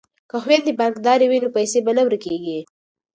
که خویندې بانکدارې وي نو پیسې به نه ورکیږي.